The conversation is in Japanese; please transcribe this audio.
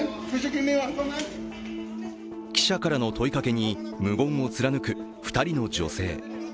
記者からの問いかけに無言を貫く２人の女性。